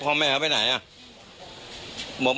พี่สมหมายก็เลย